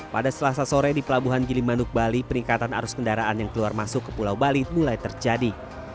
pada selasa sore di pelabuhan gilimanuk bali peningkatan arus kendaraan yang keluar masuk ke pulau bali mulai terjadi